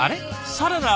サラダ。